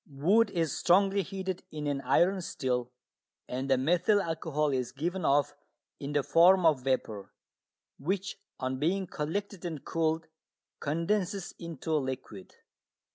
Wood is strongly heated in an iron still, and the methyl alcohol is given off in the form of vapour, which on being collected and cooled condenses into liquid.